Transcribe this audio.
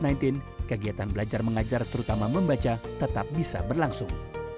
setelah pandemi covid sembilan belas kegiatan belajar mengajar terutama membaca tetap bisa berlangsung